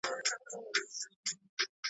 څه د پاسه دوه زره وطنوال پکښي شهیدان سول .